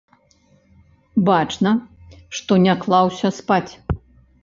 Бачна, што не клаўся спаць.